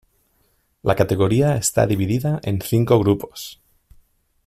La categoría está dividida en cinco grupos.